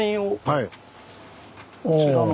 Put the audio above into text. はい。